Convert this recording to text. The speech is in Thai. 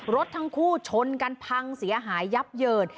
รถทั้งคู่ชนกันพังเสียหายยับเยิน